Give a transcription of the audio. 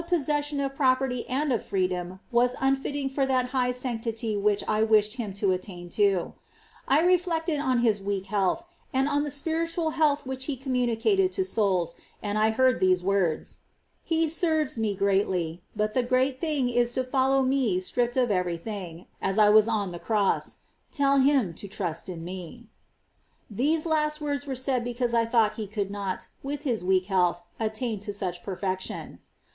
431 and of freedom was unfitting for that high sanctity which I wished him to attain to ; I reflected on his weak healthy and on the spiritual health which he communicated to souls ; and I heard these words : "He serves Me greatly ; but the great thing is to follow Me stripped of every thing, as I was on the cross. Tell him to trust in Me." These last words were said because I thought he could not, with his weak health, attain to such perfection.